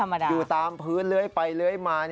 อ้าอยู่ตามพื้นเรื่อยไปเลยมา